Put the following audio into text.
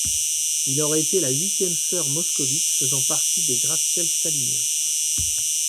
Il aurait été la Huitième Sœur moscovite, faisant partie des gratte-ciel staliniens.